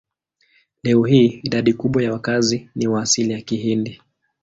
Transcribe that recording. Leo hii idadi kubwa ya wakazi ni wa asili ya Kihindi.